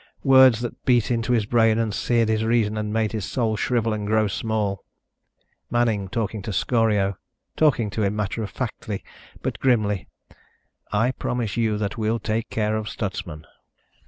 Words that beat into his brain and seared his reason and made his soul shrivel and grow small. Manning talking to Scorio. Talking to him matter of factly, but grimly: "_I promise you that we'll take care of Stutsman!